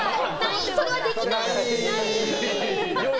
それはできない！